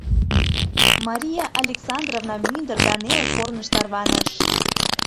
Мария Александровна мӱндыр да неле корныш тарваныш.